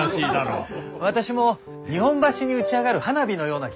私も日本橋に打ち上がる花火のような菊を見たことがございます。